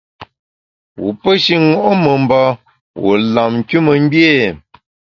Wu pe shi ṅo’ memba, wu lam nkümengbié ?